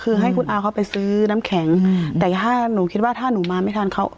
คือให้คุณอาเขาไปซื้อน้ำแข็งแต่ถ้าหนูคิดว่าถ้าหนูมาไม่ทันเขา